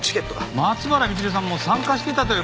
松原みちるさんも参加してたという事か。